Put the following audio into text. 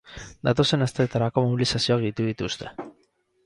Datozen asteetarako mobilizazioak deitu dituzte.